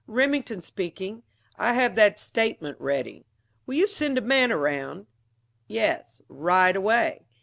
Remington speaking. I have that statement ready. Will you send a man around?... Yes, right away.